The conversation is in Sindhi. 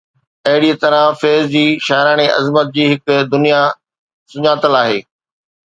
اهڙيءَ طرح فيض جي شاعراڻي عظمت جي هڪ دنيا سڃاتل آهي.